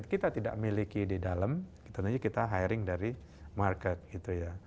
kita tidak miliki di dalam kita hiring dari market